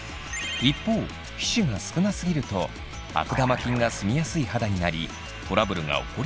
一方皮脂が少なすぎると悪玉菌が住みやすい肌になりトラブルが起こりやすくなります。